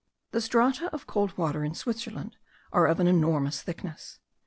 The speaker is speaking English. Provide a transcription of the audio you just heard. The strata of cold water in Switzerland are of an enormous thickness.